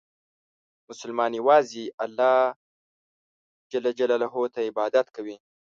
مسلمان یوازې الله عبادت کوي.